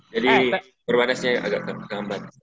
jadi perbanasnya agak tergambar